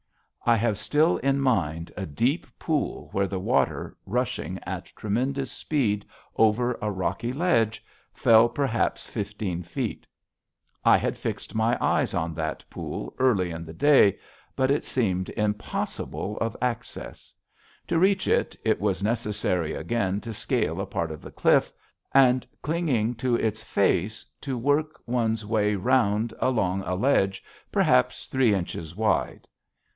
I have still in mind a deep pool where the water, rushing at tremendous speed over a rocky ledge, fell perhaps fifteen feet. I had fixed my eyes on that pool early in the day, but it seemed impossible of access. To reach it it was necessary again to scale a part of the cliff, and, clinging to its face, to work one's way round along a ledge perhaps three inches wide.